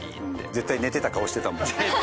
絶対寝てた顔してたもん。